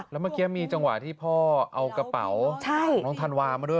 แล้วเมื่อกี้มีจังหวะที่พ่อเอากระเป๋าน้องธันวามาด้วย